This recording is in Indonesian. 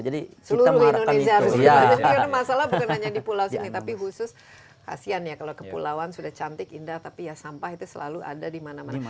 jadi masalah bukan hanya di pulau sini tapi khusus kasihan ya kalau kepulauan sudah cantik indah tapi ya sampah itu selalu ada dimana mana